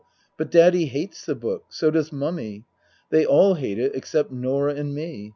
But Daddy hates the book. So does Mummy. They all hate it except Norah and me.